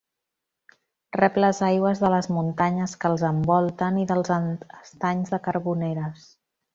Rep les aigües de les muntanyes que els envolten i dels Estanys de Carboneres.